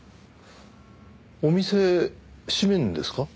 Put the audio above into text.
お店閉めるんですか？